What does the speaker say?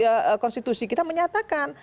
ya konstitusi kita menyatakan